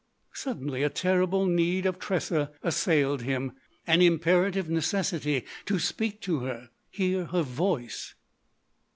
Suddenly a terrible need of Tressa assailed him—an imperative necessity to speak to her—hear her voice.